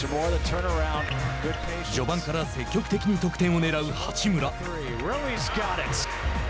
序盤から積極的に得点をねらう八村。